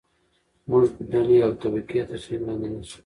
موږ ډلې او طبقې تر څېړنې لاندې نیسو.